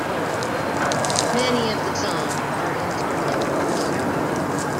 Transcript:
Many of the songs are instrumentals.